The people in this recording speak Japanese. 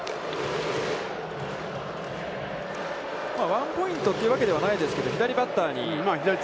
ワンポイントというわけではないですけど、左バッターに。